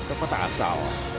ke kota asal